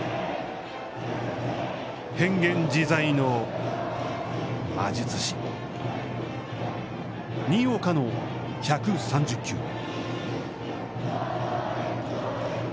変幻自在の魔術師新岡の１３０球目。